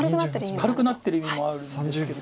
軽くなってる意味もあるんですけど。